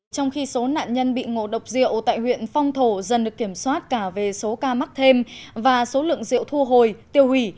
trong khi số nạn nhân bị ngộ độc rượu tại huyện phong thổ dần được kiểm soát cả về số ca mắc thêm và số lượng rượu thu hồi tiêu hủy